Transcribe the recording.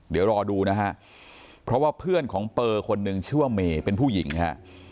เดี๋ยวรอดูนะฮะเพราะว่าเพื่อนของเปอร์คนหนึ่งชื่อว่าเมย์เป็นผู้หญิงฮะ